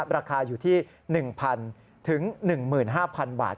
ราคาอยู่ที่๑๐๐๑๕๐๐บาท